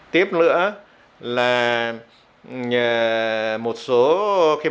tiếp nữa là một số món